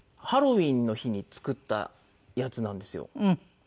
ハロウィーンの日に作ったやつなんですよ。